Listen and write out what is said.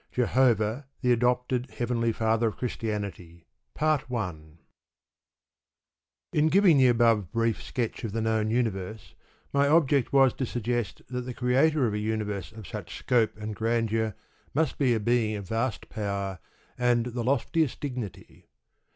JEHOVAH THE ADOPTED HEAVENLY FATHER OF CHRISTIANITY In giving the above brief sketch of the known universe my object was to suggest that the Creator of a universe of such scope and grandeur must be a Being of vast power and the loftiest dignity.